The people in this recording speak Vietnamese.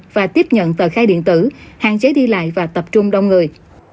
và tiếp nhận tờ khai điện tử hạn chế đi lại và tập trung đông người